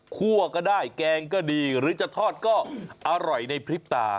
ก็ได้แกงก็ดีหรือจะทอดก็อร่อยในพริบตา